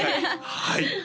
はい！